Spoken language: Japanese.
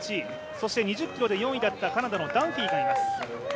そして２０ｋｍで４位だったカナダのダンフィーがいます。